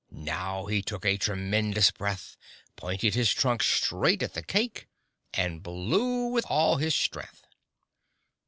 Now he took a tremendous breath, pointed his trunk straight at the cake and blew with all his strength.